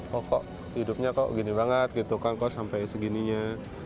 maksudnya kok gini banget gitu kan kok sampai segininya